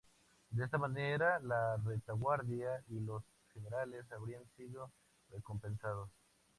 De esta manera la retaguardia y los generales habrían sido recompensados".